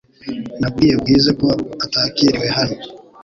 Nabwiye Bwiza ko atakiriwe hano .